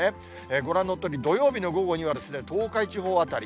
ご覧のとおり、土曜日の午後には東海地方辺り。